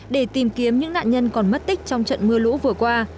để tìm kiếm những nạn nhân còn mất tích trong trận mưa lũ vừa qua